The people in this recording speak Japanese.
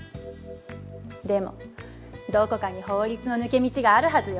でもどこかに法律の抜け道があるはずよ。